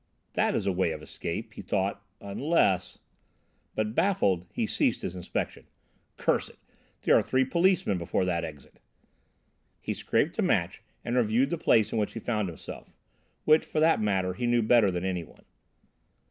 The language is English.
"That is a way of escape," he thought, "unless " But, baffled, he ceased his inspection. "Curse it! There are three policemen before that exit." He scraped a match and reviewed the place in which he found himself which for that matter he knew better than any one.